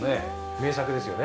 名作ですよね。